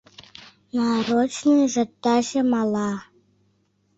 Нарочныйжат таче мала.